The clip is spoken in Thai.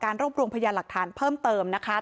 ความลืมศึกใจกับตำรวจป่าวได้ยังไง